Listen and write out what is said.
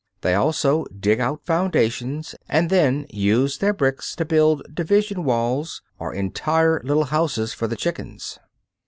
They also dig out foundations and then use their bricks to build division walls, or entire little houses for the chickens.